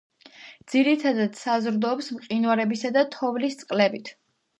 ძირითადად, საზრდოობს მყინვარებისა და თოვლის წყლებით.